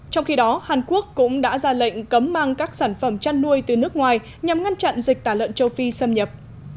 trong khi đó hàn quốc cũng đã ra lệnh cấm mang các sản phẩm chăn nuôi từ nước ngoài nhằm ngăn chặn dịch tả lợn châu phi xâm nhập